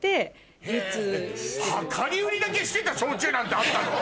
量り売りだけしてた焼酎なんてあったの？